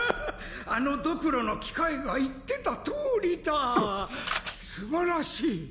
・・あのドクロの機械が言ってた通りだ・・素晴らしい！